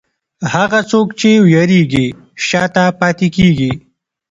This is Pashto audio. هغه څوک چې وېرېږي، شا ته پاتې کېږي.